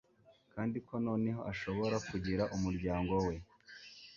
kandi ko noneho ashobora kugira umuryango we